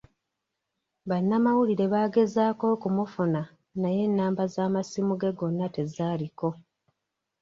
Bannamawulire baagezaako okumufuna, naye ennamba z'amasimu ge gonna tezaaliko.